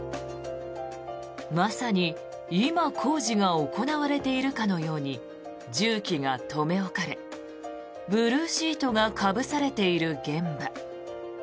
まさに今工事が行われているかのように重機が留め置かれブルーシートがかぶされている現場。